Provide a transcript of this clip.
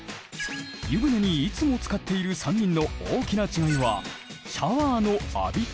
湯船にいつもつかっている３人の大きな違いはシャワーの浴び方。